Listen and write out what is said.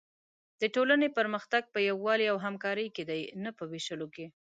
د ټولنې پرمختګ په یووالي او همکارۍ کې دی، نه په وېشلو کې.